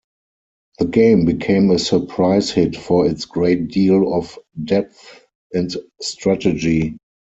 The game became a surprise hit for its great deal of depth and strategy.